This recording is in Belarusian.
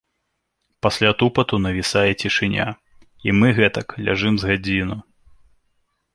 Пасля тупату навісае цішыня, і мы гэтак ляжым з гадзіну.